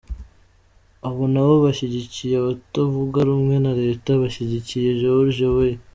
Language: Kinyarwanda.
Abo nabo bashigikiye abatavuga rumwe na reta bashyigikiye George Weah.